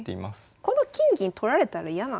この金銀取られたら嫌なんですね。